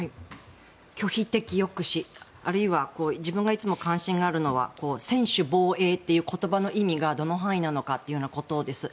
拒否的抑止あるいは自分がいつも関心があるのは専守防衛という言葉の意味がどの範囲なのかということです。